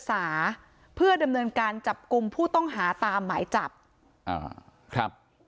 สาเพื่อดำเนินการจับกลุ่มผู้ต้องหาตามหมายจับอ่าครับ